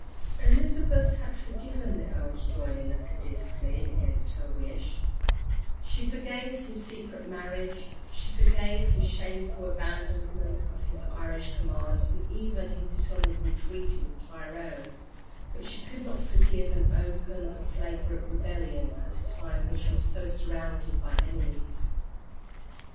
Elizabeth had forgiven the earl's joining the Cadiz fleet against her wish, she forgave his secret marriage, she forgave his shameful abandonment of his Irish command and even his dishonourable treaty with Tyrone, but she could not forgive an open and flagrant rebellion at a time when she was so surrounded by enemies.